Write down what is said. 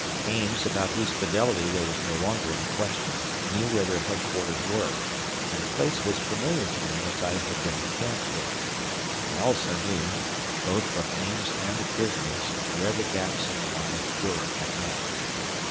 Ames, about whose fidelity there was no longer any question, knew where their headquarters were, and the place was familiar to me as I had been in camp there. I also knew, both from Ames and the prisoners, where the gaps in the lines were at night.